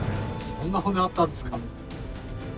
そんな骨あったんですか。